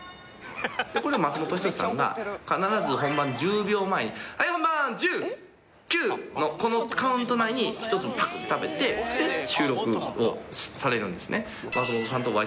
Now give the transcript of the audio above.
これ松本人志さんが必ず本番１０秒前に「はい本番！１０９」のこのカウント内に１つパッて食べてで収録をされるんですね。